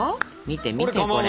見て見てこれ。